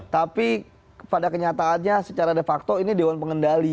tapi pada kenyataannya secara de facto ini dewan pengendali